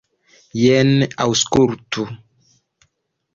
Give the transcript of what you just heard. Jen, aŭskultu.